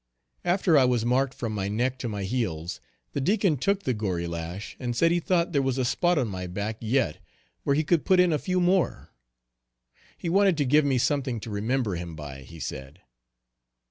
After I was marked from my neck to my heels, the Deacon took the gory lash, and said he thought there was a spot on my back yet where he could put in a few more. He wanted to give me something to remember him by, he said.